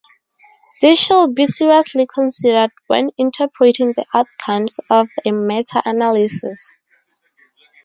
This should be seriously considered when interpreting the outcomes of a meta-analysis.